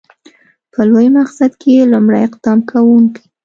په لوی مقصد کې لومړی اقدام کوونکی.